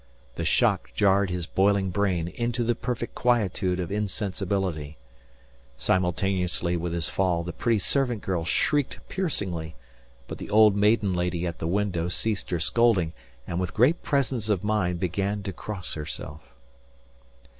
The shock jarred his boiling brain into the perfect quietude of insensibility. Simultaneously with his fall the pretty servant girl shrieked piercingly; but the old maiden lady at the window ceased her scolding and with great presence of mind began to cross herself.